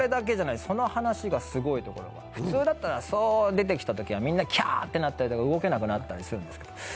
その話がすごいところは普通だったらそう出てきた時はみんな「キャー！」ってなったりとか動けなくなったりするんですけど。